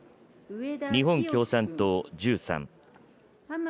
日本共産党１３。